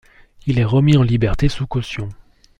Il est remis en liberté sous caution.